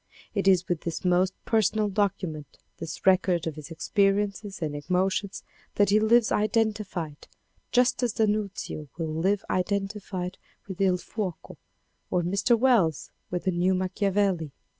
It is with this most personal document, this record of his ex periences and emotions that he lives identified, just as D'Annunzio will live identified with // Fuoco or Mr. Wells with the New Macchiavelli.